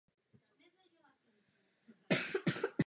Pak se stal součástí Ruského impéria a poté Sovětského svazu.